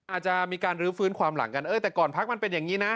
อาจจะมีการรื้อฟื้นความหลังกันเออแต่ก่อนพักมันเป็นอย่างนี้นะ